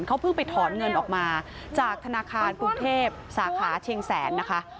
เขาเพิ่งไปถอนเงินออกมาจากธนาคารกรุงเทพสาขาเชียงแสนนะคะ